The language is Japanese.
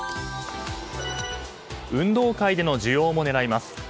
運動会での需要も狙います。